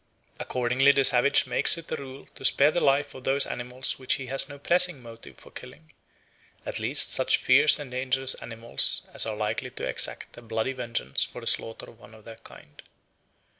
Accordingly the savage makes it a rule to spare the life of those animals which he has no pressing motive for killing, at least such fierce and dangerous animals as are likely to exact a bloody vengeance for the slaughter of one of their kind.